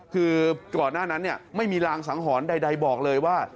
คือก่อนหน้านั้นไม่มีรางสังหรณ์ใดบอกเลยว่า